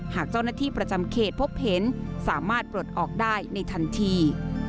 หากเจ้าหน้าที่ประจำเขตพบเห็นสามารถปลดออกได้ในทันที